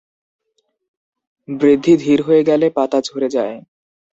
বৃদ্ধি ধীর হয়ে গেলে পাতা ঝরে যায়।